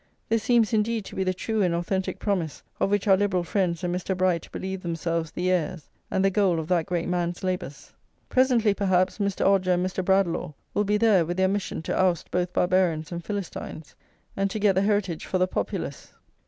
This seems, indeed, to be the true and authentic promise of which our Liberal friends and Mr. Bright believe themselves the heirs, and the goal of that great man's labours. Presently, perhaps, Mr. Odger and Mr. Bradlaugh will be there with their mission to oust both Barbarians and Philistines, and to get the heritage for the Populace.